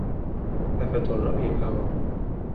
آفة الرأي الهوى